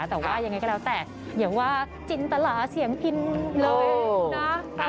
แต่ว่ายังไงก็แล้วแต่อย่าว่าจินตลาเสียงกินเลยนะ